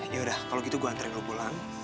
yaudah kalau gitu gue anterin lo pulang